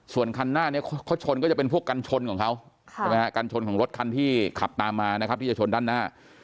ส่วนคันหน้านี้เขาชนก็จะเป็นพวกกันชนของเขาใช่ไหมฮะกันชนของรถคันที่ขับตามมานะครับที่จะชนด้านหน้า